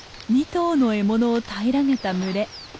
２頭の獲物を平らげた群れ。